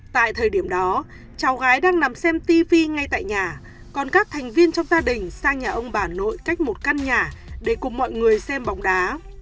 tại thời điểm đó cháu gái đang nằm xem ti phi ngay tại nhà còn các thành viên trong gia đình sang nhà ông bà nội cách một căn nhà để cùng mọi người xem bóng đá